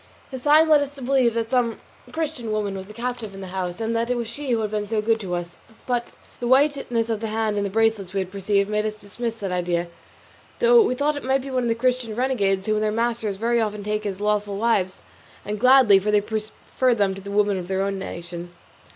This sign led us to believe that some Christian woman was a captive in the house, and that it was she who had been so good to us; but the whiteness of the hand and the bracelets we had perceived made us dismiss that idea, though we thought it might be one of the Christian renegades whom their masters very often take as lawful wives, and gladly, for they prefer them to the women of their own nation.